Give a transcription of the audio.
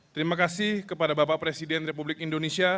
terima kasih kepada bapak presiden republik indonesia